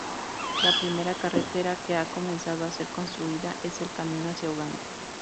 La primera carretera que ha comenzado a ser reconstruida es el camino hacia Uganda.